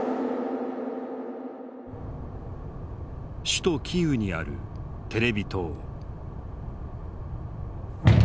首都キーウにあるテレビ塔。